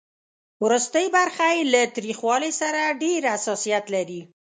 ورستۍ برخه یې له تریخوالي سره ډېر حساسیت لري.